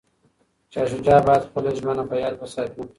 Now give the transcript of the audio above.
شاه شجاع باید خپله ژمنه په یاد وساتي.